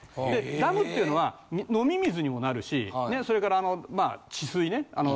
ダムっていうのは飲み水にもなるしそれから治水ね。